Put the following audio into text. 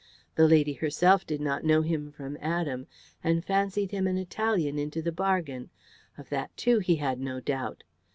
The lady herself did not know him from Adam, and fancied him an Italian into the bargain of that, too, he had no doubt.